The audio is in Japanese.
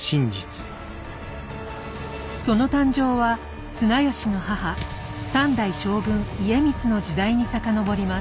その誕生は綱吉の母三代将軍家光の時代に遡ります。